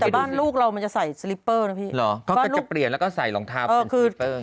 แต่บ้านลูกเรามันจะใส่สลิปเปอร์นะพี่เหรอเขาก็จะเปลี่ยนแล้วก็ใส่รองเท้าของพี่เปิ้ล